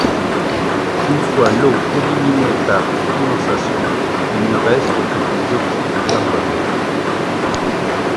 Une fois l'eau éliminée par condensation, il ne reste que du dioxyde de carbone.